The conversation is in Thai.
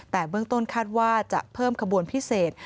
แต่เบื้องต้นคาดว่าจะเพิ่มขบวนพิเศษ